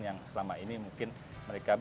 yang selama ini mungkin mereka bisa berkembang